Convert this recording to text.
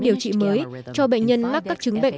điều trị mới cho bệnh nhân mắc các chứng bệnh